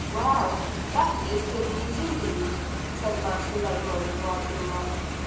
"Well, that is good news indeed," said Master Raymond brightening up.